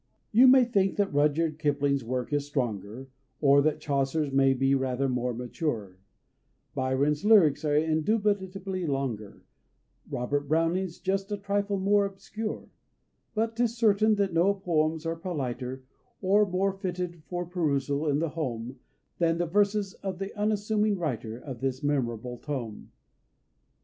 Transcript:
You may think that Rudyard Kipling's work is stronger, Or that Chaucer's may be rather more mature; Byron's lyrics are indubitably longer, Robert Browning's just a trifle more obscure; But 'tis certain that no poems are politer, Or more fitted for perusal in the home, Than the verses of the unassuming writer Of this memorable tome!